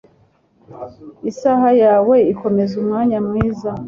Isaha yawe ikomeza umwanya mwiza?